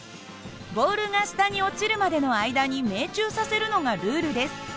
ボールが下に落ちるまでの間に命中させるのがルールです。